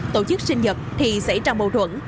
tổ chức sinh nhật thì xảy ra mâu thuẫn